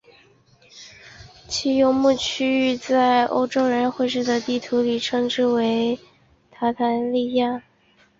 其游牧区域在欧洲人绘制的地图里称之为鞑靼利亚。